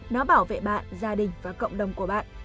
nó bảo vệ bạn gia đình và cộng đồng của bạn